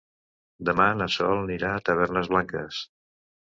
Demà na Sol anirà a Tavernes Blanques.